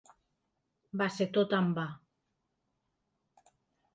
Va ser tot en va.